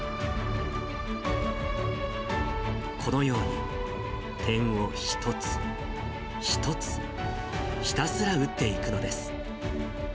このように点を一つ、一つ、ひたすら打っていくのです。